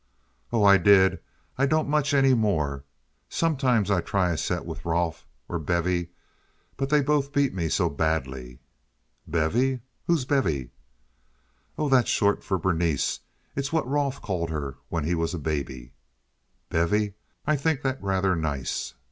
"Oh, I did. I don't much any more. Sometimes I try a set with Rolfe or Bevy; but they both beat me so badly." "Bevy? Who is Bevy?" "Oh, that's short of Berenice. It's what Rolfe called her when he was a baby." "Bevy! I think that rather nice."